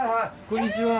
こんにちは。